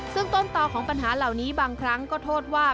ซึ่งต้นต่อของปัญหาเหล่านี้บางครั้งก็โทษว่า